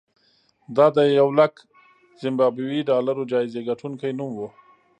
دا د یولک زیمبابويي ډالرو جایزې ګټونکي نوم و.